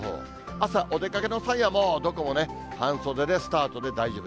朝、お出かけの際は、もうどこもね、半袖でスタートで大丈夫。